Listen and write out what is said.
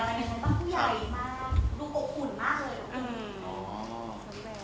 มีอะไรบ้างครับผู้ใหญ่มากลูกอกอุ่นมากเลย